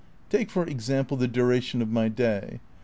Take, for example, the duration of my day.